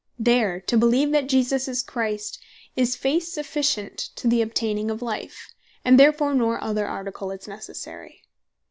There, to beleeve that Jesus Is The Christ, is faith sufficient to the obtaining of life; and therefore no other Article is Necessary.